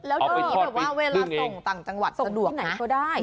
แล้วเวลาส่งต่างจังหวัดสะดวกส่งที่ไหนก็ได้